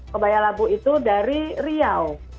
kebaya labu itu dari riau